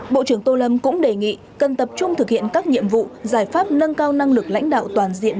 bộ trưởng tô lâm cũng đề nghị cần tập trung thực hiện các nhiệm vụ giải pháp nâng cao năng lực lãnh đạo toàn diện